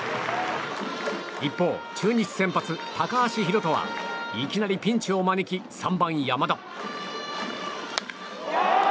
一方、中日先発、高橋宏斗はいきなりピンチを招き３番、山田。